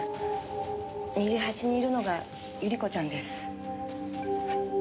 右端にいるのが百合子ちゃんです。